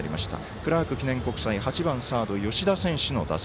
クラーク記念国際高校８番、サード吉田選手の打席。